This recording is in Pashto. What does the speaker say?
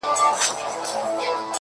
• د شنو طوطیانو د کلونو کورګی,